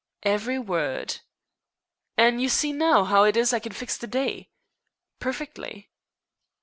"Every word." "An' you see now 'ow it is I can fix the d'y?" "Perfectly."